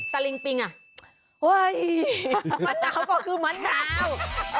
แต่ลิงปิงมะนาวก็คือมะนาว